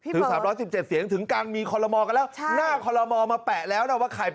ถึง๓๑๗เสียงถึงการมีคอลโลมอกันแล้ว